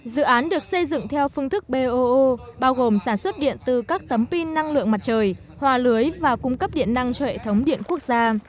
dự án được xây dựng theo phương thức boo bao gồm sản xuất điện từ các tấm pin năng lượng mặt trời hòa lưới và cung cấp điện năng cho hệ thống điện quốc gia